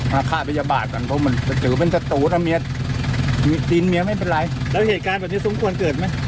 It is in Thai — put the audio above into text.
แล้วเหตุการณ์แบบนี้สมควรเกิดไหม